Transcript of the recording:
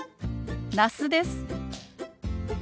那須です。